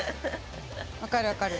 分かる分かる。